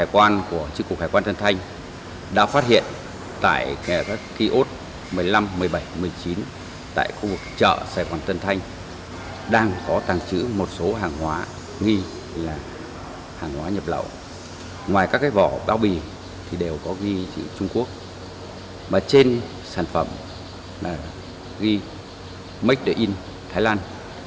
các chủ buôn lậu ngày càng có nhiều thủ đoạn tinh viên đều có ghi chữ trung quốc mà trên sản phẩm là ghi make the in thái lan